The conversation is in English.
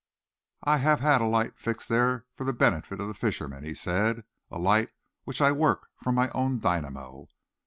"I have had a light fixed there for the benefit of the fishermen," he said, "a light which I work from my own dynamo.